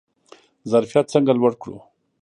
ظرفیت څنګه لوړ کړو؟